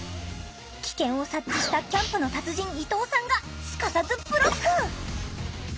危険を察知したキャンプの達人伊藤さんがすかさずブロック！